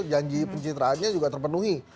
janji pencitraannya juga terpenuhi